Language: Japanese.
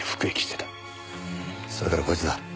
それからこいつだ。